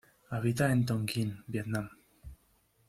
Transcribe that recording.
Habita en Tonkín Vietnam.